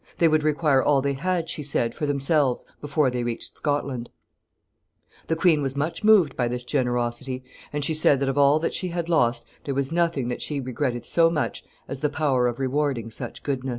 They would require all they had, she said, for themselves, before they reached Scotland. [Sidenote: The queen's gratitude.] The queen was much moved by this generosity, and she said that of all that she had lost there was nothing that she regretted so much as the power of rewarding such goodness.